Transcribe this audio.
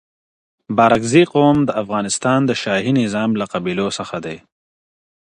بارکزي قوم د افغانستان د شاهي نظام له قبیلو څخه دي.